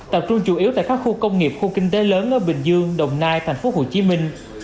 tập trung chủ yếu tại các khu công nghiệp khu kinh tế lớn ở bình dương đồng nai thành phố hồ chí minh